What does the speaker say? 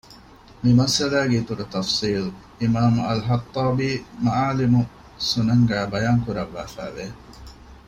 މިމައްސަލައިގެ އިތުރު ތަފްޞީލު އިމާމު އަލްޚައްޠާބީ މަޢާލިމުއް ސުނަންގައި ބަޔާންކުރަށްވާފައި ވެ